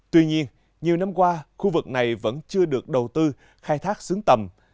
tuy nhiên nhiều năm qua khu vực này vẫn chưa được đầu tư khai thác xứng tầm